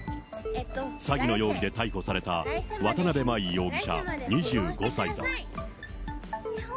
詐欺の容疑で逮捕された、渡辺真衣容疑者２５歳だ。